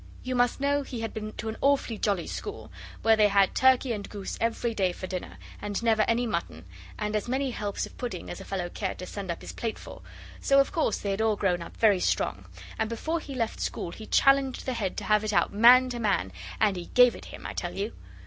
You must know he had been to an awfully jolly school, where they had turkey and goose every day for dinner, and never any mutton, and as many helps of pudding as a fellow cared to send up his plate for so of course they had all grown up very strong, and before he left school he challenged the Head to have it out man to man, and he gave it him, I tell you.